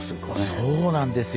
そうなんです。